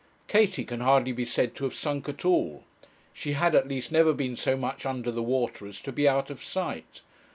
Katie can hardly be said to have sunk at all. She had, at least, never been so much under the water as to be out of sight.